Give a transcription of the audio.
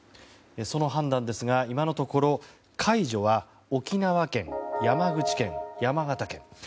その判断ですが今のところ解除は沖縄県、山口県、山形県。